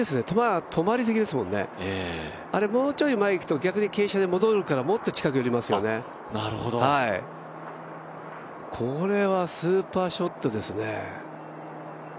球、止まりすぎですもんね、あれ、もうちょい前に行くと、傾斜で戻るからもっと近くに寄りますよね、これはスーパーショットですね。